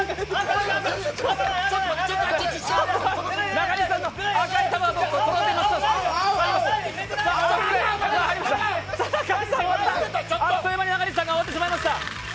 中西さんの赤い玉があっという間に中西さんが終わってしまいました。